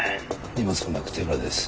荷物もなく手ぶらです。